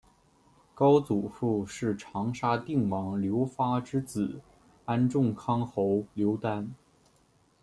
高祖父是长沙定王刘发之子安众康侯刘丹。